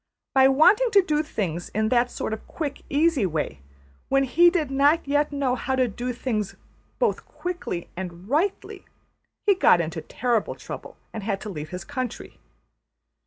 By wanting to do things in that sort of quick, easy way, when he did not yet know how to do things both quickly and rightly, he got into terrible trouble and had to leave his country.